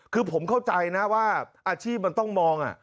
คือผมเข้าใจนะว่าอาชีพมันต้องมอง